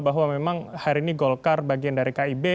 bahwa memang hari ini golkar bagian dari kib